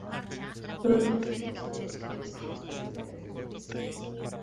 Durante muchos años compaginó la escritura literaria con la enseñanza.